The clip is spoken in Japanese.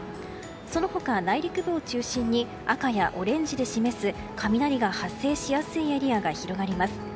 その他、内陸部を中心に赤やオレンジで示す雷が発生しやすいエリアが広がります。